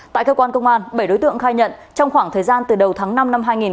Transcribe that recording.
tại cơ quan công an bảy đối tượng khai nhận trong khoảng thời gian từ đầu tháng năm năm hai nghìn hai mươi